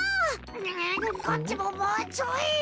ううこっちももうちょい。